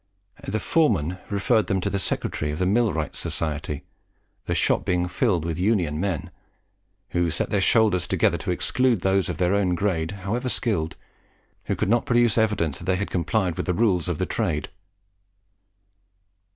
The foreman referred them to the secretary of the Millwrights' Society, the shop being filled with Union men, who set their shoulders together to exclude those of their own grade, however skilled, who could not produce evidence that they had complied with the rules of the trade.